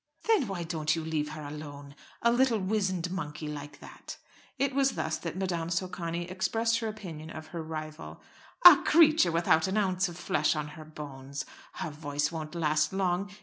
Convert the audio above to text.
"Then why don't you leave her alone? A little wizened monkey like that!" It was thus that Madame Socani expressed her opinion of her rival. "A creature without an ounce of flesh on her bones. Her voice won't last long.